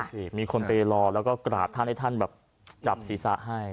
สิมีคนไปรอแล้วก็กราบท่านให้ท่านแบบจับศีรษะให้